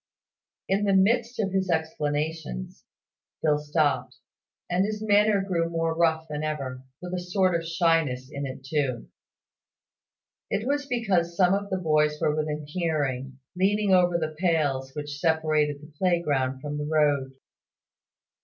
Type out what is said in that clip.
In the midst of his explanations Phil stopped, and his manner grew more rough than ever with a sort of shyness in it too. It was because some of the boys were within hearing, leaning over the pales which separated the playground from the road.